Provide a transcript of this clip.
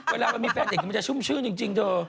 เวลามันมีแฟนเด็กมันจะชุ่มชื่นจริงเธอ